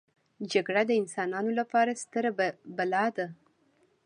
جګړه د انسانانو لپاره ستره بلا ده